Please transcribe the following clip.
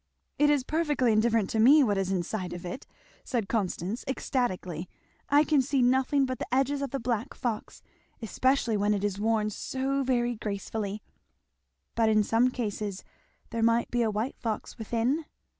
"It is perfectly indifferent to me what is inside of it!" said Constance ecstatically. "I can see nothing but the edges of the black fox, especially when it is worn so very gracefully." "But in some cases there might be a white fox within?"